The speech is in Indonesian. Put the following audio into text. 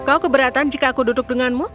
kau keberatan jika aku duduk denganmu